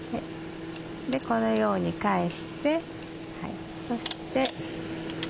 このように返してそして。